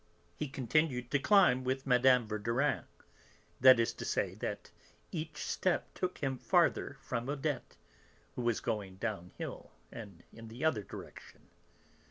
He continued to climb with Mme. Verdurin, that is to say that each step took him farther from Odette, who was going downhill, and in the other direction.